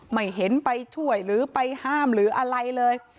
ไม่เห็นไปช่วยหรือไปห้ามหรืออะไรเลย